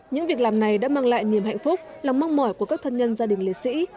những việc làm này đã mang lại niềm hạnh phúc lòng mong mỏi của các thân nhân gia đình liệt sĩ